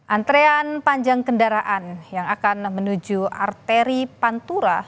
antrean panjang kendaraan yang akan menuju arteri pantura